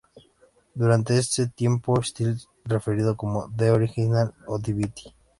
Durante ese tiempo, Steele referido como "The Original Oddity".